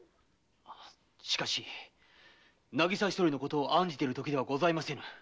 しかし渚一人のことを案じてるときではございませぬ。